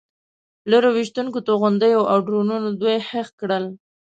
لرې ویشتونکو توغندیو او ډرونونو دوی هېښ کړل.